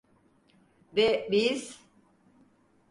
Ve biz…